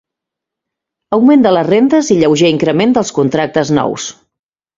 Augment de les rendes i lleuger increment dels contractes nous.